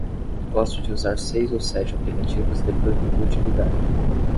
Gosto de usar seis ou sete aplicativos de produtividade.